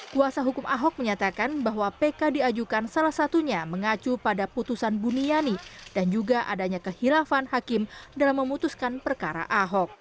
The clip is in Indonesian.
kuasa hukum ahok menyatakan bahwa pk diajukan salah satunya mengacu pada putusan buniani dan juga adanya kehilafan hakim dalam memutuskan perkara ahok